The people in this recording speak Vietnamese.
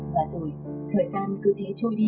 và rồi thời gian cứ thế trôi đi